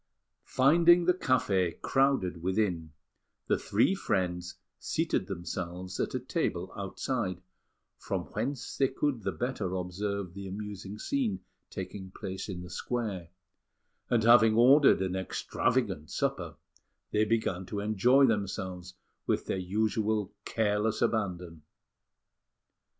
Finding the café crowded within, the three friends seated themselves at a table outside, from whence they could the better observe the amusing scene taking place in the square; and having ordered an extravagant supper, they began to enjoy themselves with their usual careless abandon.